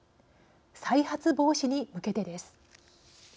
再発防止に向けてです。